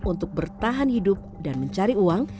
untuk bertahan hidup dan mencari uang